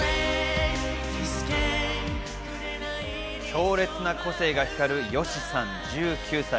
強烈な個性が光るＹＯＳＨＩさん、１９歳。